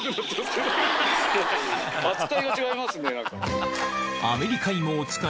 扱いが違いますね何か。